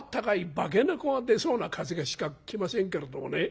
化け猫が出そうな風しか来ませんけれどもね」。